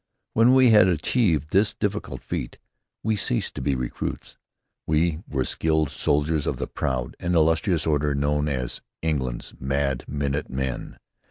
When we had achieved this difficult feat, we ceased to be recruits. We were skilled soldiers of the proud and illustrious order known as "England's Mad Minute Men."